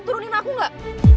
turunin aku nggak